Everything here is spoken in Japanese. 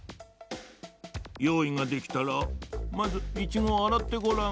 よういができたらまずイチゴをあらってごらん。